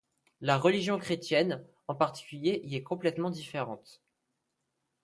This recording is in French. La religion chrétienne en particulier y est complètement différente.